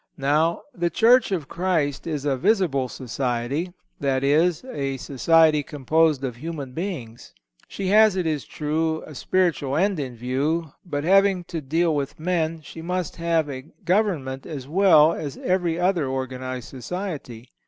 Now, the Church of Christ is a visible society—that is, a society composed of human beings. She has, it is true, a spiritual end in view; but having to deal with men, she must have a government as well as every other organized society.